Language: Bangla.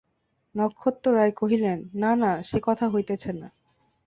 নক্ষত্ররায় কহিলেন, না না, সে কথা হইতেছে না।